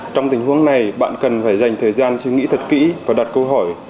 trong tình huống này bạn cần phải dành thời gian suy nghĩ thật kỹ và đặt câu hỏi